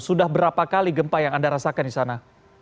sudah berapa kali gempa yang anda rasakan di sana